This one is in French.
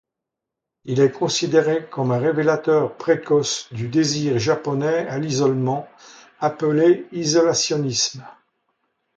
Il est considéré comme un révélateur précoce du désir japonais à l'isolement, appelé isolationnisme.